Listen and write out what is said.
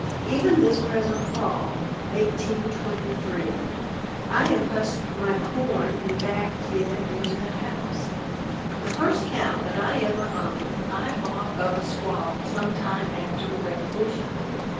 Even this present fall (1823) I have husked my corn and backed it into the house. The first cow that I ever owned, I bought of a squaw sometime after the revolution.